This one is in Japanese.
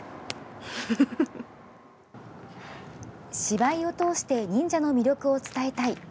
芝居を通して忍者の魅力を伝えたい。